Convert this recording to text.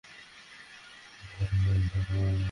মহেন্দ্র বেহারাকে জিজ্ঞাসা করিল, ও চিঠি কাহার।